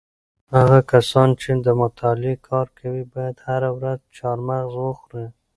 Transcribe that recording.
هغه کسان چې د مطالعې کار کوي باید هره ورځ چهارمغز وخوري.